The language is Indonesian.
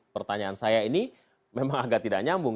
pertanyaan saya ini memang agak tidak nyambung